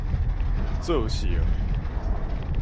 做成